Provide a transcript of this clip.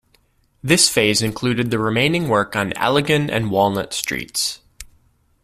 This phase included the remaining work on Allegan and Walnut streets.